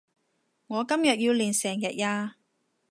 我今日要練成日呀